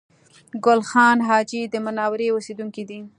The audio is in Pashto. ګل خان حاجي د منورې اوسېدونکی دی